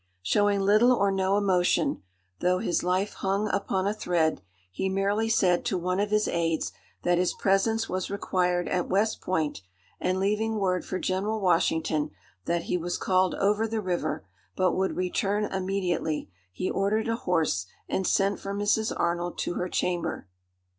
Showing little or no emotion, though his life hung upon a thread, he merely said to one of his aides that his presence was required at West Point; and, leaving word for General Washington that he was called over the river, but would return immediately, he ordered a horse and sent for Mrs. Arnold to her chamber.